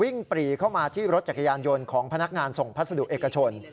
ปรีเข้ามาที่รถจักรยานยนต์ของพนักงานส่งพัสดุเอกชน